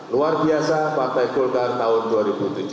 luar biasa partai golkar tahun dua ribu tujuh belas